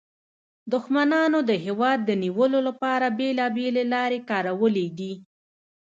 دښمنانو د هېواد د نیولو لپاره بیلابیلې لارې کارولې دي